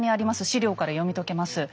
史料から読み解けます。